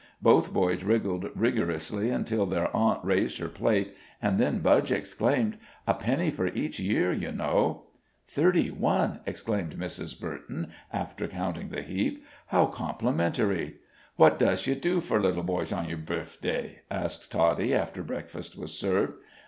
Both boys wriggled rigorously until their aunt raised her plate, and then Budge exclaimed: "A penny for each year, you know." "Thirty one!" exclaimed Mrs. Burton, after counting the heap. "How complimentary!" "What doesh you do for little boys on your bifeday?" asked Toddie, after breakfast was served.